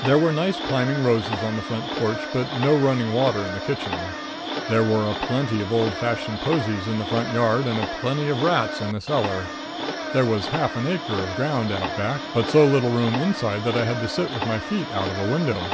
There were nice climbing roses on the front porch, but no running water in the kitchen; there were a plenty of old fashioned posies in the front yard, and a plenty of rats in the cellar; there was half an acre of ground out back, but so little room inside that I had to sit with my feet out a window.